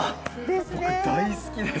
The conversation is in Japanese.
僕大好きです。